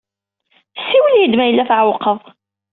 Siwel-iyi-d ma yella tɛewqeḍ.